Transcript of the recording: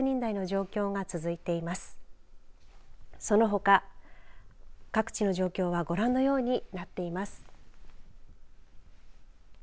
そのほか各地の状況はご覧のようになっています。